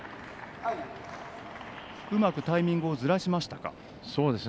うまくタイミングをずらしましたか。